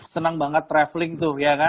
senang banget traveling tuh ya kan